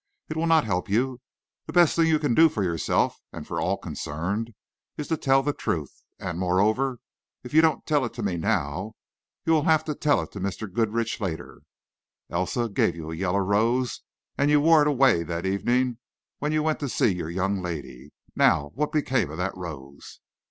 It will not help you. The best thing you can do for yourself and for all concerned is to tell the truth. And, moreover, if you don't tell it to me now, you will have to tell it to Mr. Goodrich, later. Elsa gave you a yellow rose and you wore it away that evening when you went to see your young lady. Now what became of that rose?"